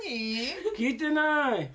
聞いてなーい。